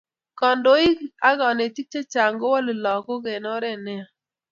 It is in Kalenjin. kandoik ak kanetik chechang kowalei lakok eng oret neyaa